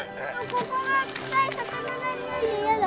ここが臭い魚のにおいで嫌だ。